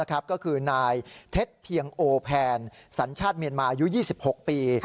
ก็คือนายเท็จเพียงโอแพนสัญชาติเมียนมาอายุ๒๖ปี